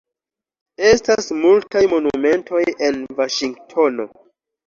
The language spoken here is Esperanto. Estas multaj monumentoj en Vaŝingtono.